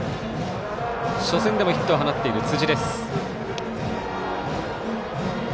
初戦でもヒットを放っている辻。